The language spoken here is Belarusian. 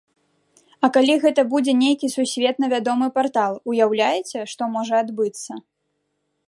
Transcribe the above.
А калі гэта будзе нейкі сусветна вядомы партал, уяўляеце што можа адбыцца!?